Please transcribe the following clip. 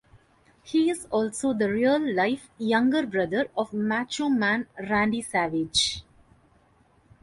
He is also the real-life younger brother of "Macho Man" Randy Savage.